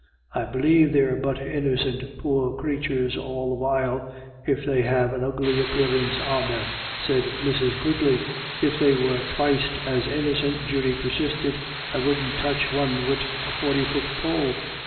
" I believe they're but innicint poor crathurs all the while, if they have an ugly appearance on them," said Mrs. Quigley. " If they were twyste as innicint," Judy persisted, " I wouldn't touch one wid a forty fut pole.